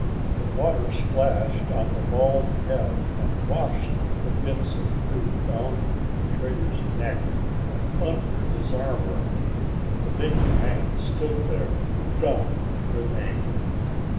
The water splashed on the bald head and washed the bits of fruit down the trader's neck and under his armor. The big man stood there dumb with anger.